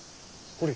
ほれ。